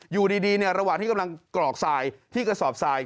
อยู่ดีระหว่างที่กำลังกรอกทรายที่กระสอบทราย